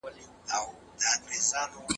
بیا د چا توره د ورور په وینو رنګ سي